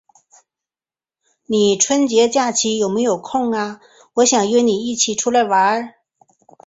你春节假期有没有空呀？我想约你一起出来玩。